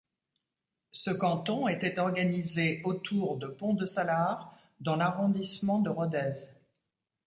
Ce canton était organisé autour de Pont-de-Salars dans l'arrondissement de Rodez.